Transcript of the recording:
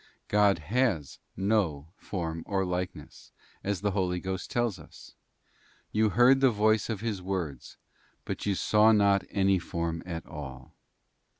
God has no form or likeness, as the Holy Ghost tells us: ' You heard the voice of His words, but you saw not any form at all.